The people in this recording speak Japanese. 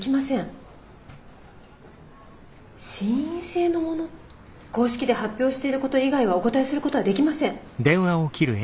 心因性のもの？公式で発表していること以外はお答えすることはできません。